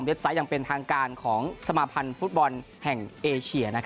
ไซต์อย่างเป็นทางการของสมาพันธ์ฟุตบอลแห่งเอเชีย